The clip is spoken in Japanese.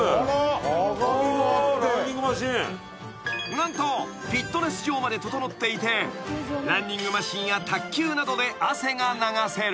［何とフィットネス場までととのっていてランニングマシンや卓球などで汗が流せる］